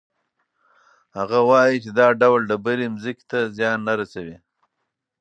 هغه وایي چې دا ډول ډبرې ځمکې ته زیان نه رسوي.